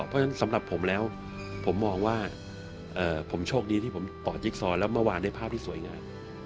เพราะฉะนั้นสำหรับผมแล้วผมมองว่าผมโชคดีที่ผมต่อจิ๊กซอแล้วเมื่อวานได้ภาพที่สวยงาม